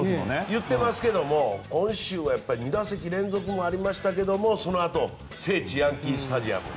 言っていますけど今週は２打席連続もありましたけどそのあと聖地ヤンキー・スタジアム。